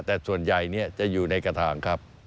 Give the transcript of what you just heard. แต่ส่วนใหญ่จะอยู่ในกระถางครับ